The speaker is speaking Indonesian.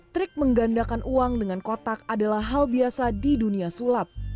trik menggandakan uang dengan kotak adalah hal biasa di dunia sulap